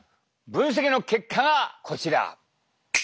分析の結果がこちら。